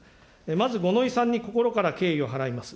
まず五ノ井さんに心から敬意を払います。